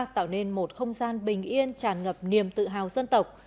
tạo nên một không gian bình yên tràn ngập niềm tự hào dân tộc